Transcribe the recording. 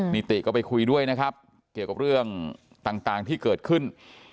นิติก็ไปคุยด้วยนะครับเกี่ยวกับเรื่องต่างที่เกิดขึ้น